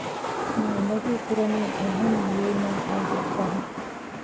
މި އުނދަގޫކުރަނީ އެހެންވީމާ އޭގެ ފަހުން